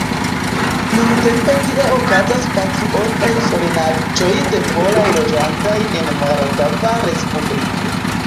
Nuntempe tie okazas patriotaj solenaĵoj de poloj loĝantaj en Moldava Respubliko.